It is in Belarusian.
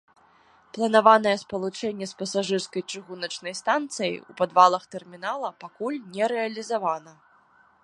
Планаванае спалучэнне з пасажырскай чыгуначнай станцыяй у падвалах тэрмінала пакуль не рэалізавана.